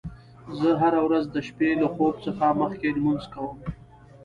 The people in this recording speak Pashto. زه هره ورځ د شپې له خوب څخه مخکې لمونځ کوم